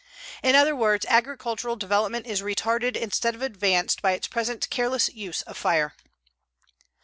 In other words, agricultural development is retarded instead of advanced by its present careless use of fire.